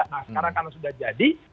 nah sekarang kalau sudah jadi